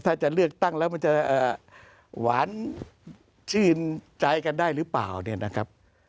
ถ้าจะเลือกตั้งแล้วมันจะหวานชื่นใจกันได้หรือเปล่าเนี่ยนะครับ